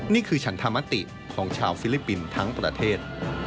นี่คือฉันธรรมติของชาวฟิลิปปินส์ทั้งประเทศ